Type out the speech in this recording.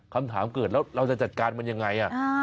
คำถามเกิดแล้วเราจะจัดการมันยังไง